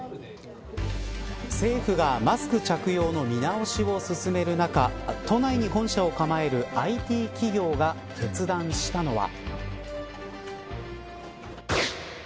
政府がマスク着用の見直しを進める中都内に本社を構えるＩＴ企業が決断したのは。